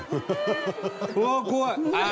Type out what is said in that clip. うわー怖い！